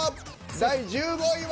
第１５位は。